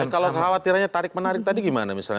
kalau khawatirannya tarik menarik tadi gimana misalnya